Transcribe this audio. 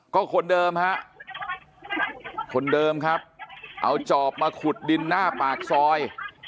ก็คนเดิมฮะคนเดิมครับเอาจอบมาขุดดินหน้าปากซอย